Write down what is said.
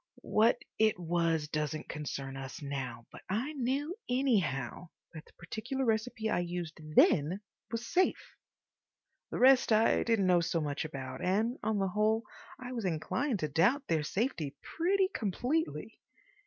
What it was doesn't concern us now, but I knew, anyhow, that the particular recipe I used then was safe. The rest I didn't know so much about, and, on the whole, I was inclined to doubt their safety pretty completely.